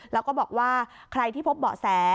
แล้วก็บอกว่าใครที่พบเบาะแส